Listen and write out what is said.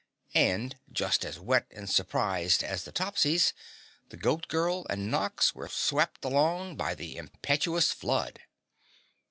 And just as wet and surprised as the Topsies, the Goat Girl and Nox were swept along by the impetuous flood.